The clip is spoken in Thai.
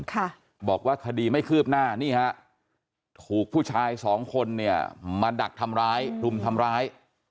ค่ะบอกว่าคดีไม่คืบหน้านี่ฮะถูกผู้ชายสองคนเนี่ยมาดักทำร้ายรุมทำร้าย